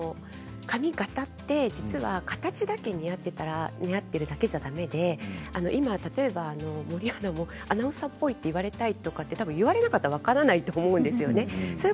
髪形って形だけ似合っていたら似合っているだけじゃだめで今、例えば森アナもアナウンサーっぽいって言われたいとかって言われなかったら分からないと思うんですよね。